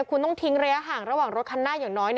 คุณต้องทิ้งระยะห่างระหว่างรถคันหน้าอย่างน้อย